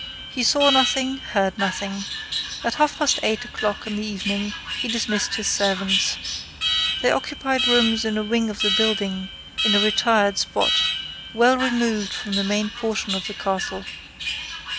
He saw nothing, heard nothing. At half past eight o'clock in the evening, he dismissed his servants. They occupied rooms in a wing of the building, in a retired spot, well removed from the main portion of the castle.